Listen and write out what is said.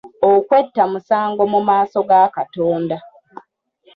Okwetta musango mu maaso ga Katonda.